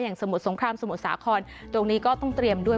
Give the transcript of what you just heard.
สมุทรสงครามสมุทรสาครตรงนี้ก็ต้องเตรียมด้วย